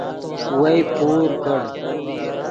وئے پور کڑ